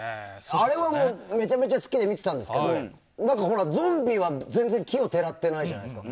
あれはめちゃくちゃ好きで見てたんですけどゾンビは全然奇をてらってないじゃないですか。